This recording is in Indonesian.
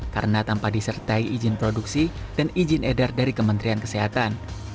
karena tanpa disertai izin produksi dan izin edar dari kementerian kesehatan